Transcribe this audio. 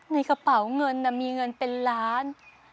ในกระเป๋าเงินมีเงินเป็นล้าน